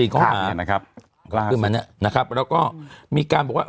ข้อหานะครับขึ้นมาเนี่ยนะครับแล้วก็มีการบอกว่า